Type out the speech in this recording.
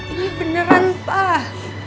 ini beneran pak